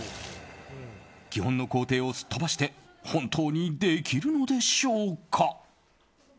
基本の工程をすっ飛ばして本当にできるのでしょうか。